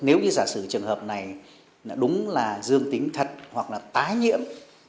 nếu như giả sử trường hợp này đúng là dương tính thật hoặc là tái nhiễm